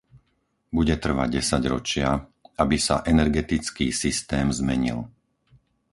Bude trvať desaťročia, aby sa energetický systém zmenil.